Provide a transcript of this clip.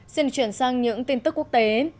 xin chuyển sang những tin tức quốc tế